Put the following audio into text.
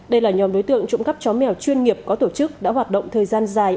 đây là nhóm đối tượng trộm cắp chó mèo chuyên nghiệp có tổ chức đã hoạt động thời gian dài